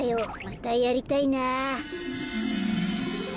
またやりたいなあ。